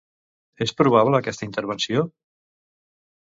És probable aquesta intervenció?